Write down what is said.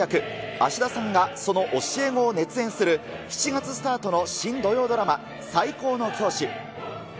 芦田さんがその教え子を熱演する、７月スタートの新土曜ドラマ、最高の教師。